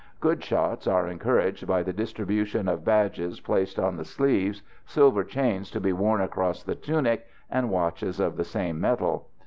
Good shots are encouraged by the distribution of badges placed on the sleeves, silver chains to be worn across the tunic, and watches of the same metal.